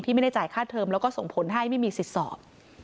ไม่ได้จ่ายค่าเทอมแล้วก็ส่งผลให้ไม่มีสิทธิ์สอบ